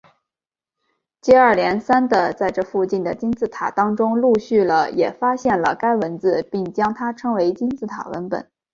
接二连三的在这附近的金字塔当中陆续了也发现了该文字并将它称为金字塔文本。